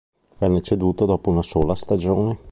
Venne ceduto dopo una sola stagione.